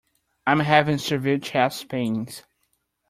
I am having severe chest pains.